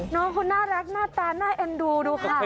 น้องเขาน่ารักหน้าตาน่าเอ็นดูดูค่ะ